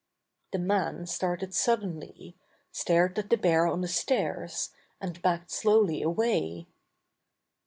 The man started suddenly, stared at the bear on the stairs, and backed slowly away.